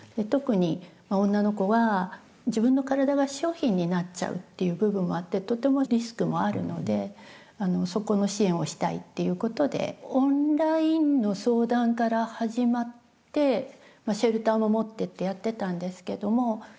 特に女の子は自分の体が商品になっちゃうっていう部分もあってとてもリスクもあるのでそこの支援をしたいっていうことでオンラインの相談から始まってシェルターも持ってってやってたんですけども。